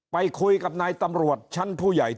ไปคุยกับนายตำรวจชั้นผู้ใหญ่